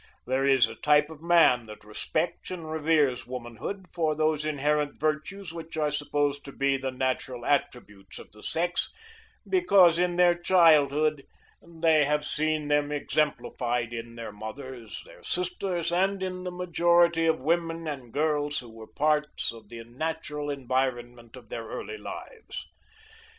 There is a type of man that respects and reveres woman hood for those inherent virtues which are supposed to be the natural attributes of the sex because in their childhood they have seen them exemplified in their mothers, their sisters and in the majority of women and girls who were parts of the natural environment of their early lives.